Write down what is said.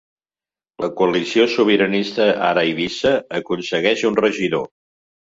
La coalició sobiranista Ara Eivissa aconsegueix un regidor.